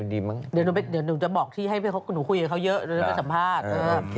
เดี๋ยวหนูจะบอกที่ให้หนูคุยกับเขาเยอะเดี๋ยวหนูไปสัมภาษณ์